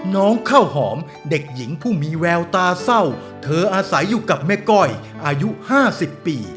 น้องข้าวหอมเด็กหญิงผู้มีแววตาเศร้าเธออาศัยอยู่กับแม่ก้อยอายุ๕๐ปี